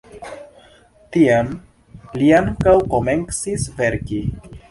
Tiam li ankaŭ komencis verki.